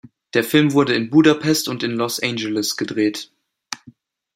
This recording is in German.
Der Film wurde in Budapest und in Los Angeles gedreht.